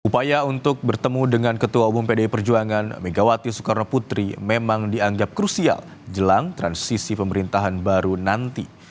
upaya untuk bertemu dengan ketua umum pdi perjuangan megawati soekarno putri memang dianggap krusial jelang transisi pemerintahan baru nanti